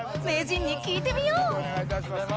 名人に聞いてみよう！